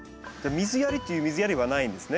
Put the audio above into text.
水やりという水やりはないんですね。